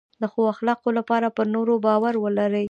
د ښو اخلاقو لپاره پر نورو باور ولرئ.